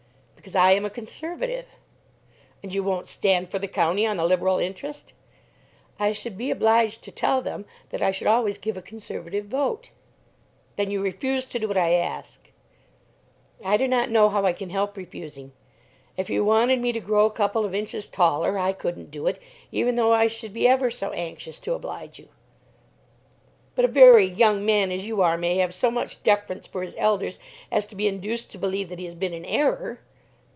"Because I am a Conservative." "And you won't stand for the county on the Liberal interest?" "I should be obliged to tell them that I should always give a Conservative vote." "Then you refuse to do what I ask?" "I do not know how I can help refusing. If you wanted me to grow a couple of inches taller I couldn't do it, even though I should be ever so anxious to oblige you." "But a very young man, as you are, may have so much deference for his elders as to be induced to believe that he has been in error."